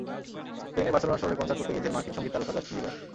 স্পেনের বার্সেলোনা শহরে কনসার্ট করতে গিয়েছেন মার্কিন সংগীত তারকা জাস্টিন বিবার।